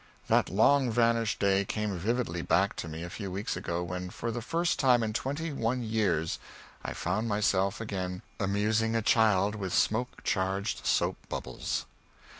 That long vanished day came vividly back to me a few weeks ago when, for the first time in twenty one years, I found myself again amusing a child with smoke charged soap bubbles.